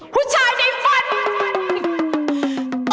ผู้ชายในฝัน